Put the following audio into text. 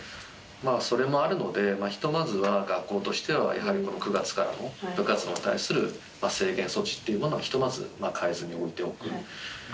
それもあるので、ひとまずは、学校としては、やはり９月からも、部活動に対する制限措置というものは、ひとまず変えずに置いておく。